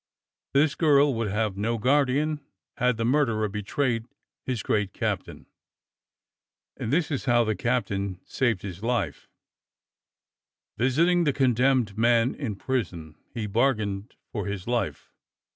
This girl would have no guardian had the murderer betrayed his great captain, and this is how the captain saved his life: Visiting the condemned man in prison, he bargained for his life.